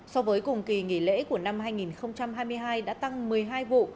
so với cùng kỳ nghỉ lễ của năm hai nghìn hai mươi hai đã tăng một mươi hai vụ